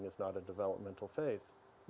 atau kamu dihomeschool